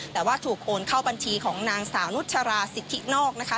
แต่ว่าถูกโอนเข้าบัญชีของนางสาวนุชราสิทธินอกนะคะ